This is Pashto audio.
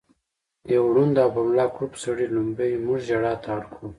يو ړوند او په ملا کړوپ سړي ړومبی مونږ ژړا ته اړ کړو